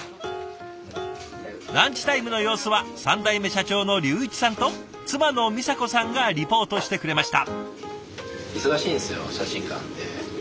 ランチタイムの様子は３代目社長の龍一さんと妻の美沙子さんがリポートしてくれました。